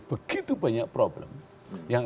begitu banyak problem yang